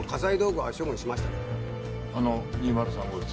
あの２０３号室